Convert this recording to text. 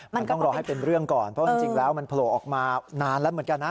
มันต้องรอให้เป็นเรื่องก่อนเพราะจริงแล้วมันโผล่ออกมานานแล้วเหมือนกันนะ